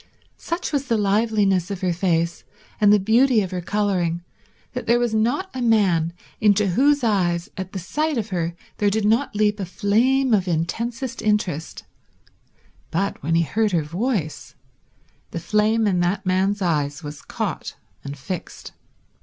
Such was the liveliness of her face and the beauty of her colouring that there was not a man into whose eyes at the sight of her there did not leap a flame of intensest interest; but, when he heard her voice, the flame in that man's eyes was caught and fixed.